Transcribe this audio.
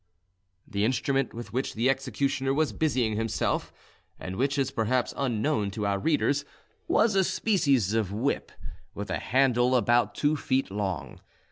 The instrument with which the executioner was busying himself, and which is perhaps unknown to our readers, was a species of whip, with a handle about two feet long.